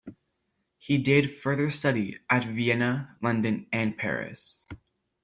He did further study at Vienna, London and Paris.